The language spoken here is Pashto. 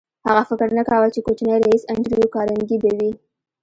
هغه فکر نه کاوه چې کوچنی ريیس انډریو کارنګي به وي